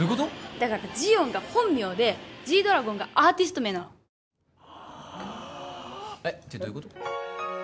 だからジヨンが本名でＧ−ＤＲＡＧＯＮがアーティスト名なのあってどういうこと？